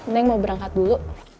neng mau berangkat dulu